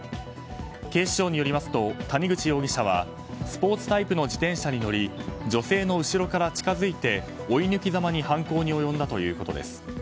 警視庁によりますと谷口容疑者はスポーツタイプの自転車に乗り女性の後ろから近づいて追い抜きざまに犯行に及んだということです。